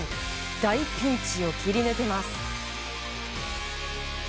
大ピンチを切り抜けます。